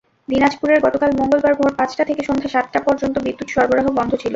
দিনাজপুরে গতকাল মঙ্গলবার ভোর পাঁচটা থেকে সন্ধ্যা সাতটা পর্যন্ত বিদ্যুৎ সরবরাহ বন্ধ ছিল।